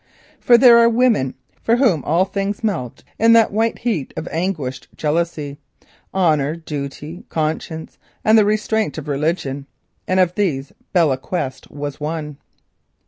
For there are women with whom all things melt in that white heat of anguished jealousy—honour, duty, conscience, and the restraint of religion—and of these Belle Quest was one.